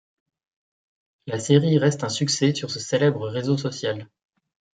La série reste un succès sur ce célèbre réseau social.